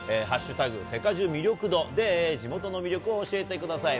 セカジュ魅力度で、地元の魅力を教えてください。